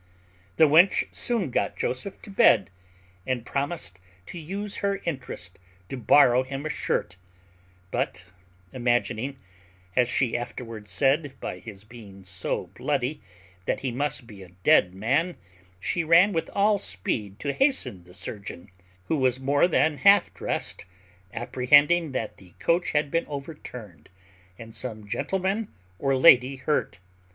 The wench soon got Joseph to bed, and promised to use her interest to borrow him a shirt; but imagining, as she afterwards said, by his being so bloody, that he must be a dead man, she ran with all speed to hasten the surgeon, who was more than half drest, apprehending that the coach had been overturned, and some gentleman or lady hurt.